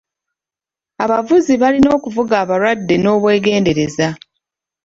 Abavuzi balina okuvuga abalwadde n'obwegendereza.